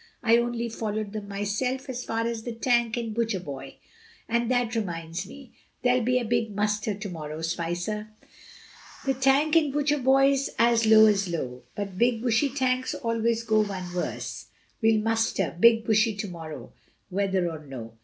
I only followed them myself as far as the tank in Butcher boy. And that reminds me: there'll be a big muster to morrow, Spicer. The tank in Butcher boy's as low as low; the Big Bushy tanks always go one worse; we'll muster Big Bushy to morrow, whether or no.